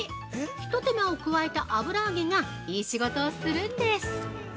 一手間を加えた油揚げがいい仕事をするんです。